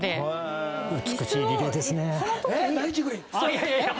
いやいやいや。